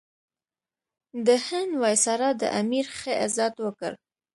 د هند وایسرا د امیر ښه عزت وکړ.